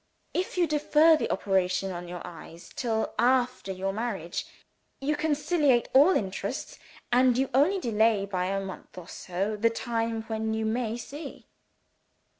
If you defer the operation on your eyes till after your marriage, you conciliate all interests, and you only delay by a month or so the time when you may see."